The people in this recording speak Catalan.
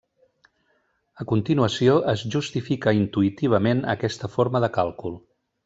A continuació es justifica intuïtivament aquesta forma de càlcul.